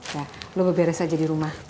ya lu beberes aja di rumah